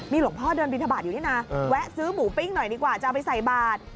หลวงพ่อเดินบินทบาทอยู่นี่นะแวะซื้อหมูปิ้งหน่อยดีกว่าจะเอาไปใส่บาท